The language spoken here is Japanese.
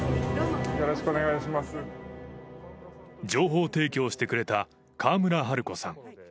情報提供してくれた河村晴子さん。